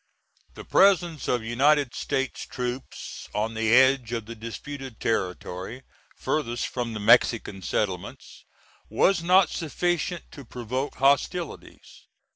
The presence of United States troops on the edge of the disputed territory furthest from the Mexican settlements, was not sufficient to provoke hostilities.